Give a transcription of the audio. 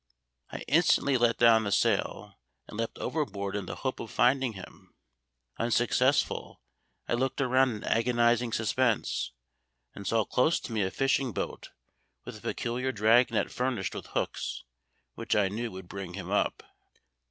I instantly let down the sail and leapt overboard in the hope of finding him. Unsuccessful, I looked around in agonising suspense, and saw close to me a fishing boat with a peculiar drag net furnished with hooks, which I knew would bring him up.